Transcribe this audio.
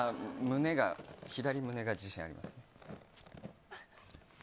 左胸が自信あります。